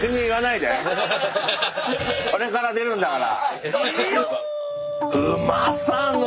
これから出るんだから。